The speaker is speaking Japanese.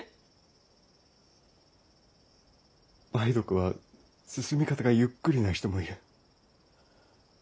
梅毒は進み方がゆっくりな人もいる。